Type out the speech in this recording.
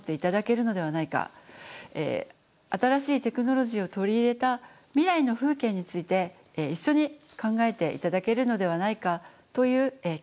新しいテクノロジーを取り入れた未来の風景について一緒に考えて頂けるのではないかという期待もしています。